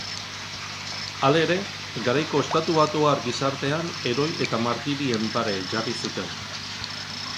Halere, garaiko estatubatuar gizartean heroi eta martirien pare jarri zuten.